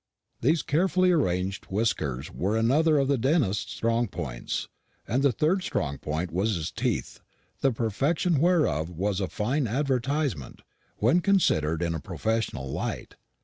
These carefully arranged whiskers were another of the dentist's strong points; and the third strong point was his teeth, the perfection whereof was a fine advertisement when considered in a professional light.